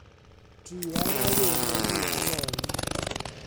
Druan â Wyn a Nia Norm.